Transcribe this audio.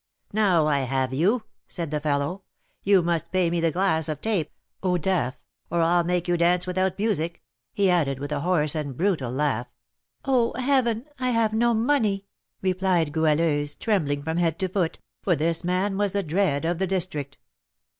"Now I have you," said the fellow; "you must pay me the glass of 'tape' (eau d'aff), or I'll make you dance without music," he added, with a hoarse and brutal laugh. "Oh, Heaven! I have no money," replied Goualeuse, trembling from head to foot, for this man was the dread of the district.